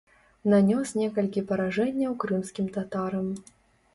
Нанёс некалькі паражэнняў крымскім татарам.